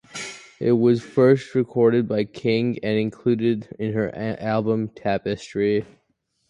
It was first recorded by King, and included in her album "Tapestry".